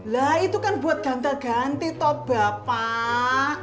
lah itu kan buat ganteng ganteng bapak